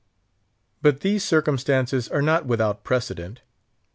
But these circumstances are not without precedent.